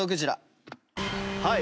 はい。